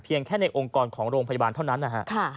แค่ในองค์กรของโรงพยาบาลเท่านั้นนะฮะ